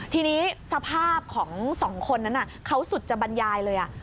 ทีนี้สภาพของ๒คนนั้นน่ะเขาสุดจำัญญายเลย